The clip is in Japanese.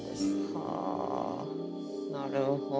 はあなるほど。